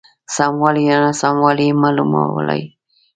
سموالی یا ناسموالی یې معلومولای شي.